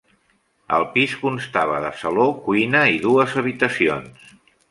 El pis constava de saló, cuina i dues habitacions.